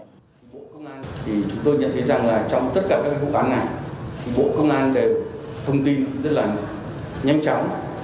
chúng tôi nhận thấy rằng trong tất cả các vụ án này bộ công an đều thông tin rất là nhanh chóng